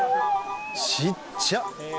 ちっちゃ！